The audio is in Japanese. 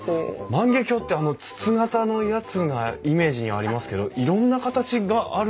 万華鏡ってあの筒形のやつがイメージにありますけどいろんな形があるんですね。